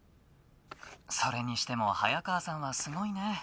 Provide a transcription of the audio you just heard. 「それにしても早川さんはすごいね」